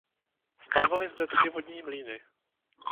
Stávaly zde tři vodní mlýny.